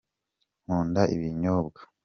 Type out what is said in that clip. nkunda ibinyobwa.